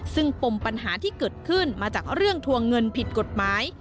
ซึ่งปมปัญหาที่เกิดขึ้นมาจากเรื่องทวงเงินผิดกฎหมาย